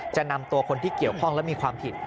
จะนำตัวคนที่เกี่ยวข้องและมีความผิด